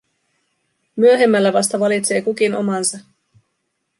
Myöhemmällä vasta valitsee kukin omansa.